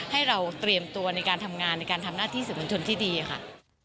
ให้เราเตรียมตัวในการทำงานในการทำหน้าที่สื่อมวลชนที่ดีค่ะ